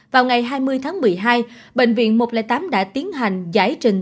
vào ngày hai mươi tháng một mươi hai bệnh viện một trăm linh tám đã tiến hành giải trình